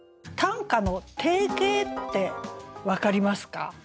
短歌の定型って分かりますか？